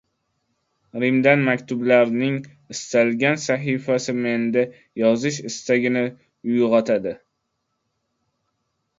“Rimdan maktublar”ning istalgan sahifasi menda yozish istagini uygʻotadi.